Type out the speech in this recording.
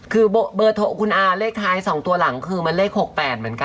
คือเบอร์โทรคุณอาเลขท้าย๒ตัวหลังคือมันเลข๖๘เหมือนกัน